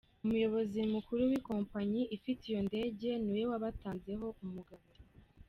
Umuyobozi mukuru w'ikompanyi ifite iyo ndege niwe batanzeho umugabo.